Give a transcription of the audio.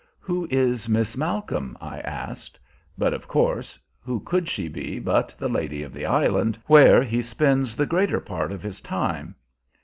"Who is Miss Malcolm?" I asked. But of course who could she be but the lady of the island, where he spends the greater part of his time?